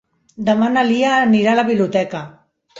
Demà na Lia anirà a la biblioteca.